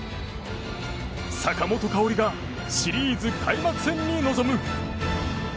坂本花織がシリーズ開幕戦に臨む。